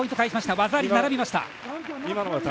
技あり、並びました。